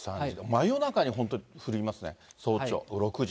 真夜中に本当、降りますね、早朝６時。